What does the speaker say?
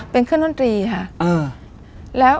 เป็นเครื่องดนตรีค่ะ